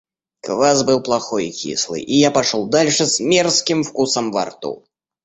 Квас был плохой и кислый, и я пошел дальше с мерзким вкусом во рту.